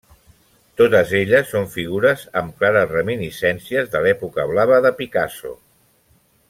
Totes elles són figures amb clares reminiscències de l’època blava de Picasso.